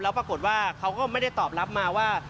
แล้วปรากฏว่าเขาก็ไม่ได้ตอบรับมาว่า